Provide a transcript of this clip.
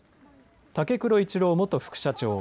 武黒一郎元副社長